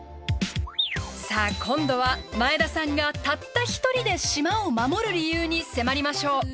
さあ今度は前田さんがたった１人で島を守る理由に迫りましょう。